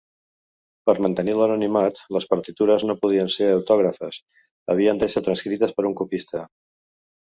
Per mantenir l’anonimat, les partitures no podien ser autògrafes, havien d’ésser transcrites per un copista.